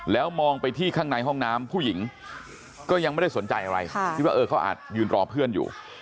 แล้วมองไปที่ข้างในห้องน้ำผู้หญิงก็ยังไม่ได้สนใจอะไรคิดว่าเออเขาอาจยืนรอเพื่อนอยู่